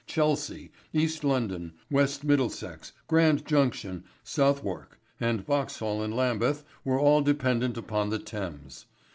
Chelsea, East London, West Middlesex, Grand Junction, Southwark, and Vauxhall and Lambeth were all dependent upon the Thames.